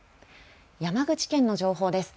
山口県の情報です。